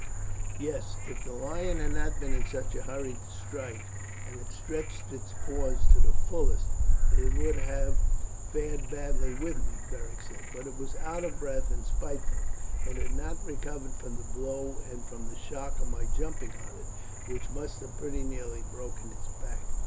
"Yes, if the lion had not been in such a hurry to strike, and had stretched its paw to the fullest, it would have fared badly with me," Beric said; "but it was out of breath and spiteful, and had not recovered from the blow and from the shock of my jumping on it, which must have pretty nearly broken its back.